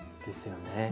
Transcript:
ですよね。